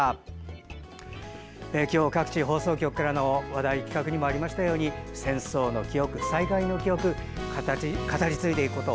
今日、各地放送局からの話題や企画にもありましたように戦争の記憶、災害の記憶語り継いでいくこと